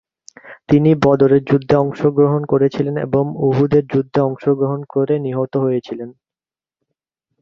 তিনি বদরের যুদ্ধে অংশগ্রহণ করেছিলেন এবং উহুদের যুদ্ধে অংশগ্রহণ করে নিহত হয়েছিলেন।